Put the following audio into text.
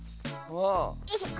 よいしょ。